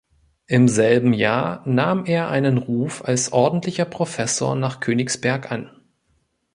Im selben Jahr nahm er einen Ruf als ordentlicher Professor nach Königsberg an.